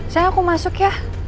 sayang aku masuk ya